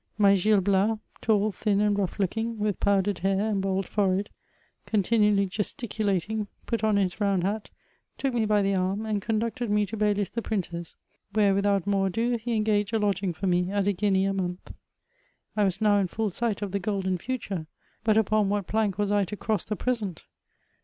My Gil Bias, tall, thin, and rongh^ooking, with pow dered hair, and bald forehead, continually gesticulating, put on his round hat, took me by the arm, and conducted me to Baylis, the printer's, where, widioat more ado, he engaged a lodging for me at a guiuea a month. I was now in full sight of the golden future; but upon what plank was I to cross the present